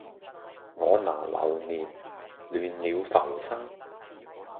我拿流年，亂了浮生